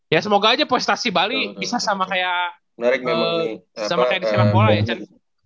ya semoga aja puestasi bali bisa sama kayak di sepakbola ya chen